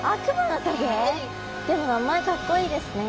でも名前かっこいいですね。